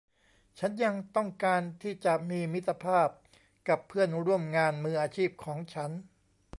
ฉันยังต้องการที่จะมีมิตรภาพกับเพื่อนร่วมงานมืออาชีพของฉัน